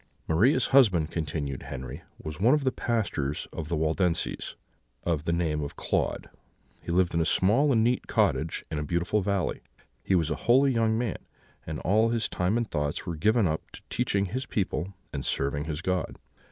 "Maria's husband," continued Henry, "was one of the pastors of the Waldenses, of the name of Claude: he lived in a small and neat cottage in a beautiful valley; he was a holy young man, and all his time and thoughts were given up to teaching his people and serving his God.